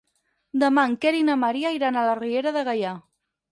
Demà en Quer i na Maria iran a la Riera de Gaià.